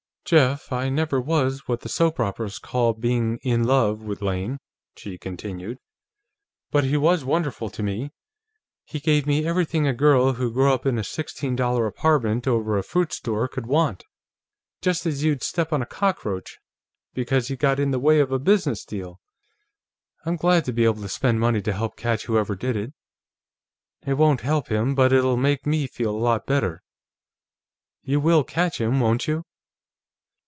"Jeff, I never was what the soap operas call being 'in love' with Lane," she continued. "But he was wonderful to me. He gave me everything a girl who grew up in a sixteen dollar apartment over a fruit store could want. And then somebody killed him, just as you'd step on a cockroach, because he got in the way of a business deal. I'm glad to be able to spend money to help catch whoever did it. It won't help him, but it'll make me feel a lot better.... You will catch him, won't you?"